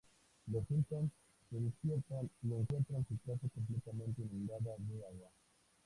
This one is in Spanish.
Los Simpson se despiertan y encuentran su casa completamente inundada de agua.